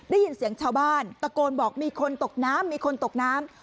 ได้ยินเสียงชาวบ้านตะโกนบอกมีคนตกน้ำมีคนตกน้ำ